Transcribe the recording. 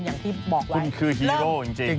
อย่างที่บอกว่าคุณคือฮีโร่จริง